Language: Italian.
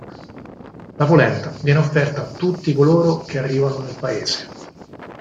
La polenta viene offerta a tutti coloro che arrivano nel paese.